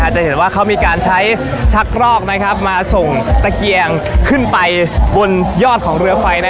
จะเห็นว่าเขามีการใช้ชักรอกมาส่งตะเกียงขึ้นไปบนยอดของเรือไฟ